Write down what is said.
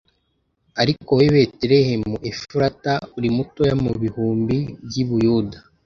Ariko wowe, Betelehemu Efurata, uri mutoya mu bihumbi by’i Buyuda